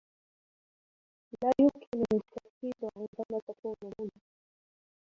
لا يمكنني التركيز عندما تكون هنا.